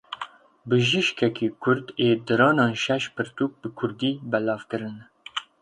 Bijîşkekî kurd ê diranan şeş pirtûk bi kurdî belav kirine.